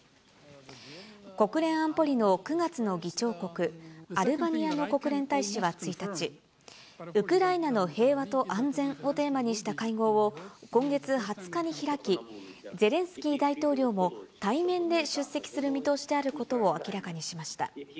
国連安保理の９月の議長国、アルバニアの国連大使は１日、ウクライナの平和と安全をテーマにした会合を今月２０日に開き、ゼレンスキー大統領も対面で出席する見通しであることを明らかにしました。